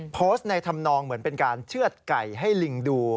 โพสต์ในธรรมนองเหมือนเป็นการเชื่อดไก่ให้ลิงดู